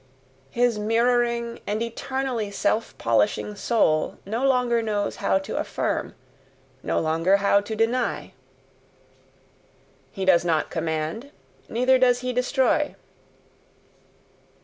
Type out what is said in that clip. His mirroring and eternally self polishing soul no longer knows how to affirm, no longer how to deny; he does not command; neither does he destroy.